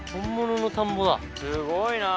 すごいな。